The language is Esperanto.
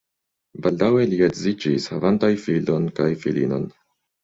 Baldaŭe li edziĝis, havantaj filon kaj filinon.